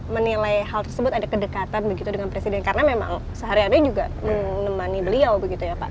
menilai hal tersebut ada kedekatan begitu dengan presiden karena memang sehari hari juga menemani beliau begitu ya pak